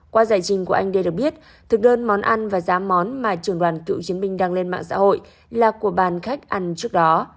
qua giải trình của anh đê được biết thực đơn món ăn và giá món mà trường đoàn cựu chiến binh đang lên mạng xã hội là của bàn khách ăn trước đó